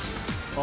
あ！